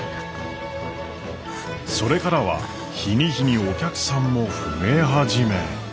それからは日に日にお客さんも増え始め。